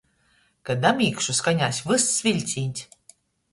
Ka damīgšu, skanēs vyss viļcīņs.